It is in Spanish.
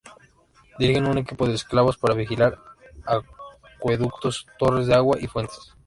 Dirigen un equipo de esclavos para vigilar acueductos, torres de agua y fuentes.